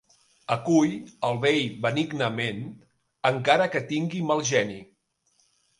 Acull el vell benignament, encara que tingui mal geni.